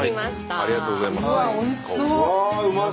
ありがとうございます。